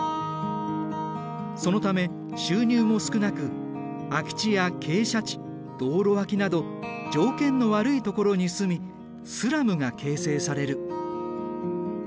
そのため収入も少なく空き地や傾斜地道路脇など条件の悪い所に住みスラムが形成される。